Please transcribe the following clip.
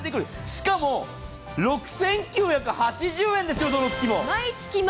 しかも、６９８０円ですよ、どの月も。